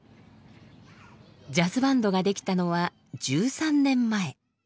ジャズバンドが出来たのは１３年前。